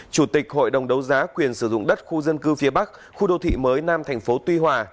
chủ tịch hội đồng đấu giá quyền sử dụng đất khu dân cư phía bắc khu đô thị mới nam thành phố tuy hòa